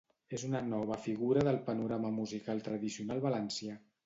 És una nova figura del panorama musical tradicional valencià.